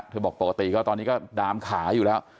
เธอบอกต่อตีเข้าตอนนี้ก็ดามขาอยู่แล้ว